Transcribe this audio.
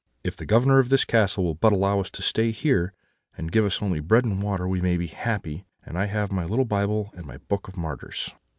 If the Governor of the castle will but allow us to stay here, and give us only bread and water, we may be happy; and I have my little Bible, and my Book of Martyrs.'